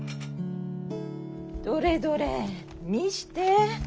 どれどれ見して。